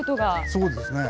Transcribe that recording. そうですね。